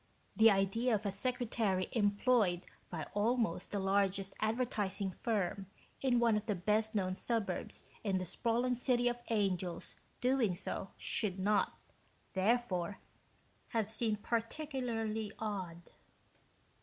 The idea of a secretary employed by almost the largest advertising firm in one of the best known suburbs in the sprawling City of the Angels doing so should not, therefore, have seemed particularly odd.